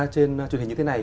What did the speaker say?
trên truyền hình như thế này